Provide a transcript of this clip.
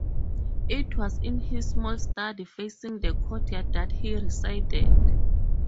It was in his small study facing the courtyard that he resided.